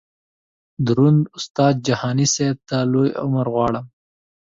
دروند استاد جهاني صیب ته لوی عمر غواړم.